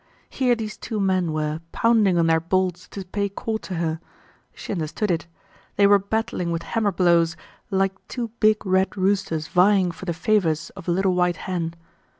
Here these two men were, pounding on their bolts to pay court to her. She understood it. They were battling with hammer blows, like two big red roosters vying for the favors of a little white hen.